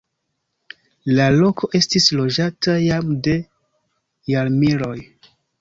La loko estis loĝata jam de jarmiloj.